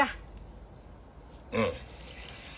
うん。